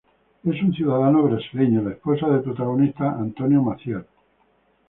En un ciudadano brasileño, la esposa del protagonista Antonio Maciel.